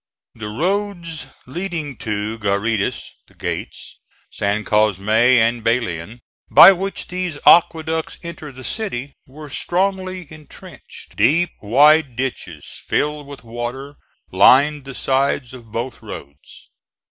The roads leading to garitas (the gates) San Cosme and Belen, by which these aqueducts enter the city, were strongly intrenched. Deep, wide ditches, filled with water, lined the sides of both roads.